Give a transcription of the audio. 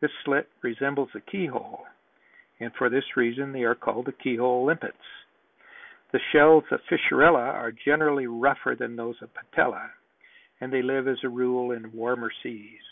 This slit resembles a key hole and for this reason they are called key hole limpets. The shells of Fissurella are generally rougher than those of Patella and they live, as a rule, in warmer seas.